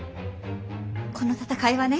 この闘いはね